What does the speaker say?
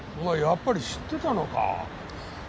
やっぱり知ってたのか。